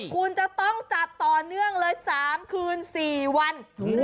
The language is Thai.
คุณจะต้องจัดต่อเนื่องเลย๓คืน๔วัน